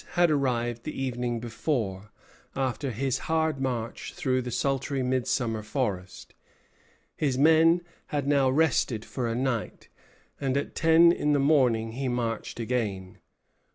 Lévis had arrived the evening before, after his hard march through the sultry midsummer forest. His men had now rested for a night, and at ten in the morning he marched again.